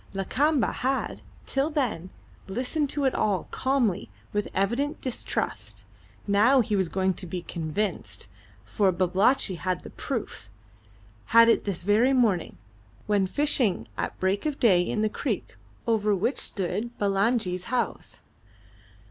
Lakamba had, till then, listened to it all, calmly and with evident distrust; now he was going to be convinced, for Babalatchi had the proof; had it this very morning, when fishing at break of day in the creek over which stood Bulangi's house.